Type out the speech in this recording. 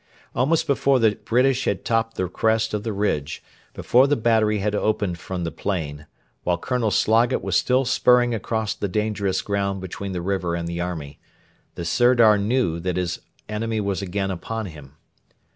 Almost before the British had topped the crest of the ridge, before the battery had opened from the plain, while Colonel Sloggett was still spurring across the dangerous ground between the river and the army, the Sirdar knew that his enemy was again upon him.